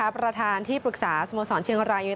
ประธานที่ปรึกษาสโมสรเชียงรายยู